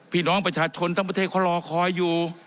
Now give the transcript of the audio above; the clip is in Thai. พี่น้องประชาชนทั้งประเทศเขารอคอยอยู่